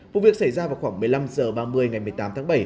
vụ việc xảy ra vào khoảng một mươi năm h ba mươi ngày một mươi tám tháng bảy